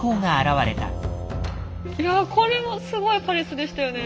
いやこれもすごいパレスでしたよね。